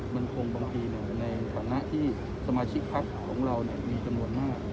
มันคงบางทีในฐานะที่สมาชิกพักของเรามีจำนวนมาก